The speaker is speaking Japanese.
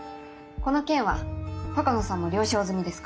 この件は鷹野さんも了承済みですから。